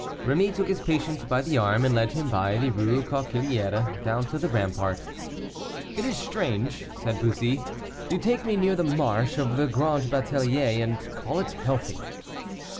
Rémy took his patient by the arm, and led him by the Rue Coquillière down to the rampart. "It is strange," said Bussy, "you take me near the marsh of the Grange Batelier, and call it healthy."